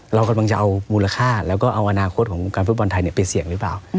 เรากำลังจะเอามูลค่าแล้วก็เอาอนาคตของวงการฟุตบอลไทยไปเสี่ยงหรือเปล่า